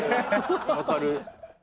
分かる。